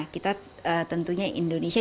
kita tentunya indonesia